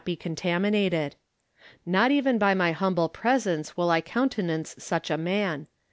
he contaminated. Not even by my humble pres ence will I countenance sucli a man.